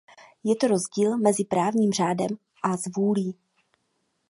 Je to rozdíl mezi právním řádem a zvůlí.